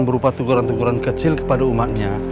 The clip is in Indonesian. berupa teguran teguran kecil kepada umatnya